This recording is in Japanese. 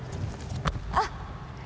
あっ。